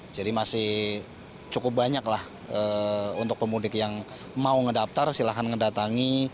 jadi masih cukup banyak lah untuk pemudik yang mau mendaftar silahkan mendatangi